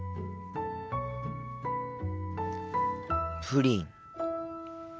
プリン。